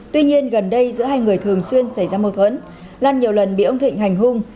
tuy nhiên gần đây giữa hai người thường xuyên xảy ra mâu thuẫn lan nhiều lần bị ông thịnh hành hung